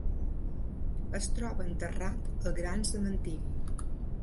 Es troba enterrat al Gran Cementiri.